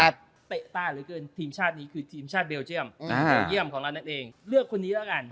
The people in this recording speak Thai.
เตะตาไว้เกินทีมชาตินี้คือทีมชาติเบลเจีย์มนเหลือคนที่ชอบตกรื้อเกี่ยวของเราตัวเอง